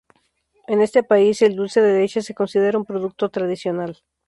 En este país el dulce de leche se considera un producto tradicional.